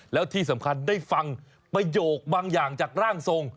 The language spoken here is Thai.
แล้วที่สำคัญได้ฟังประโยคบางอย่างจากร่างทรง